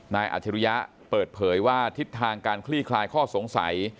อาจริยะเปิดเผยว่าทิศทางการคลี่คลายข้อสงสัย